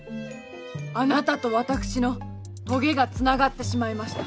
あなたと私のとげがつながってしまいました。